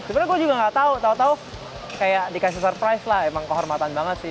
sebenarnya gue juga gak tau tau kayak dikasih surprise lah emang kehormatan banget sih